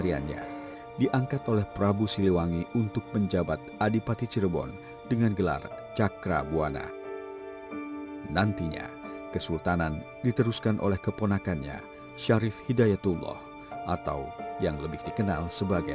ibarat cermin topeng cirebon memberi pengingat pada lagu hidup manusia agar terus mencari jati diri hingga usia senja